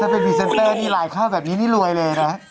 ถ้าเป็นพีเซนเตอร์ไลน์เขาแบบนี้รวยเลยนะ